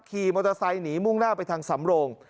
ขี่มอเตอร์ไซค์หนีมุ่งหน้าไปทางสำโรง